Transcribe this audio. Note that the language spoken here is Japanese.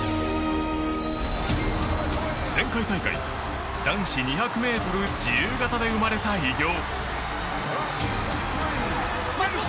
前回大会、男子２００ｍ自由形で生まれた偉業。